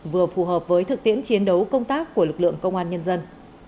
vừa phù hợp với thực tiễn chiến đấu công tác của lực lượng công an nhân dân